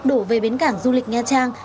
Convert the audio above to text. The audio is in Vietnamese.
đổ về bến cảng du lịch nha trang